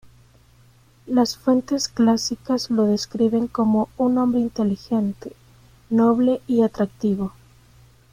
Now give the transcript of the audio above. Las fuentes clásicas lo describen como un hombre inteligente, noble y atractivo.